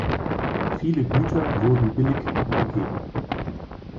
Viele Güter wurden billig abgegeben.